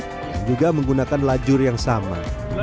dan juga menggunakan lajur yang sama